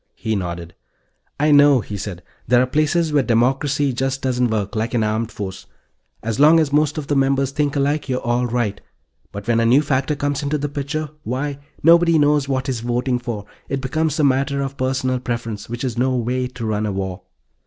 He nodded. "I know," he said. "There are places where democracy just doesn't work. Like an armed force. As long as most of the members think alike, you're all right. But when a new factor comes into the picture why, nobody knows what he's voting for. It becomes a matter of personal preference which is no way to run a war."